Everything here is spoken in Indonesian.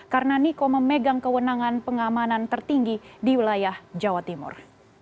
karena niko memegang kewenangan pengamanan tertinggi di wilayah jawa timur